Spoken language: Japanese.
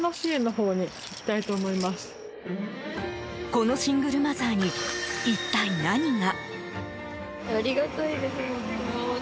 このシングルマザーに一体何が？